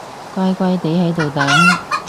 乖乖哋喺度等